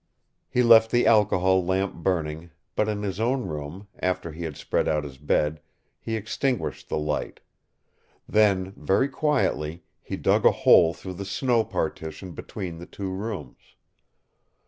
He left the alcohol lamp burning, but in his own room, after he had spread out his bed, he extinguished the light. Then, very quietly, he dug a hole through the snow partition between the two rooms.